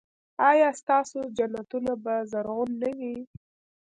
ایا ستاسو جنتونه به زرغون نه وي؟